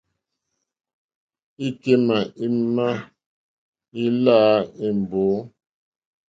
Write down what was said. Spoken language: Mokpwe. Èkémà émá èláǃá mbǒ.